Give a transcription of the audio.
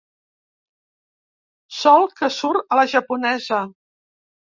Sol que surt a la japonesa.